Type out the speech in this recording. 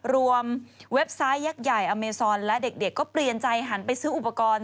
เว็บไซต์ยักษ์ใหญ่อเมซอนและเด็กก็เปลี่ยนใจหันไปซื้ออุปกรณ์